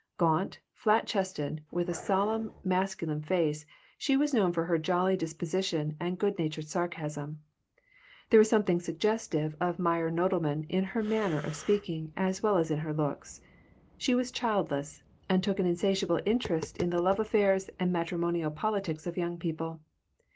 Gaunt, flat chested, with a solemn masculine face, she was known for her jolly disposition and good natured sarcasm. There was something suggestive of Meyer Nodelman in her manner of speaking as well as in her looks. She was childless and took an insatiable interest in the love affairs and matrimonial politics of young people.